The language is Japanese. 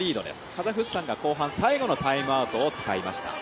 カザフスタンが後半最後のタイムアウトを使いました。